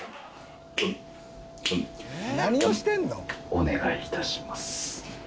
お願い致します。